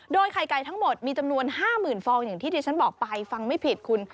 โดยไข่ไก่ทั้งหมดมีจำนวน๕๐๐๐ฟองอย่างที่ที่ฉันบอกไปฟังไม่ผิดคุณ